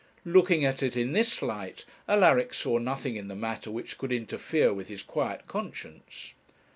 Looking at it in this light, Alaric saw nothing in the matter which could interfere with his quiet conscience.